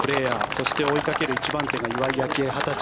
そして追いかける１番手が岩井明愛、２０歳。